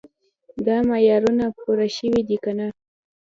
دا معیارونه پوره شوي دي که نه.